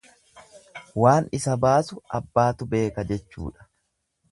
Waan isa baasu abbaatu beeka jechuudha.